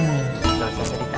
tidak usah cerita